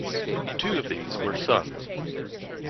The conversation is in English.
Two of these were sons.